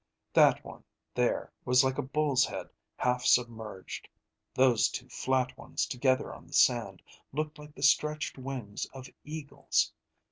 That one there was like a bull's head half submerged; those two flat ones together on the sand looked like the stretched wings of eagles.